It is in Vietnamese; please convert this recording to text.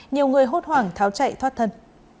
nhiều người hốt hoảng tháo chạy thoát thân